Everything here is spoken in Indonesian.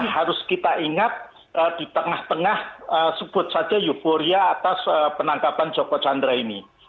harus kita ingat di tengah tengah sebut saja euforia atas penangkapan joko chandra ini